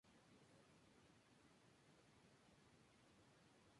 Los estanques son piscinas muy grandes.